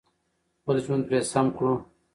خپل ژوند پرې سم کړو.